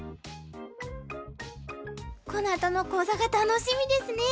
このあとの講座が楽しみですね。